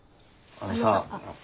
あのさ。